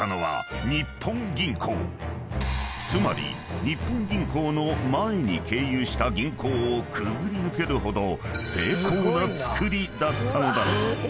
［つまり日本銀行の前に経由した銀行をくぐり抜けるほど精巧な造りだったのだ］